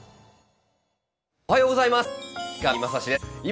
おはようございます。